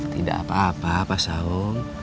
tidak apa apa pak saung